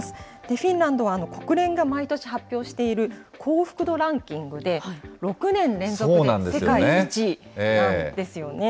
フィンランドは国連が毎年発表している幸福度ランキングで６年連続で世界１位なんですよね。